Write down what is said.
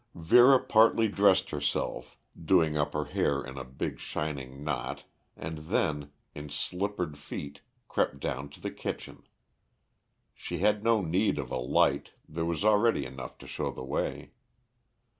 Vera partly dressed herself, doing up her hair in a big shining knot, and then, in slippered feet, crept down to the kitchen. She had no need of a light there was already enough to show the way.